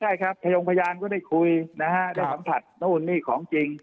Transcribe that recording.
ใช่ครับพยงพยานก็ได้คุยนะฮะได้สัมผัสนู่นนี่ของจริง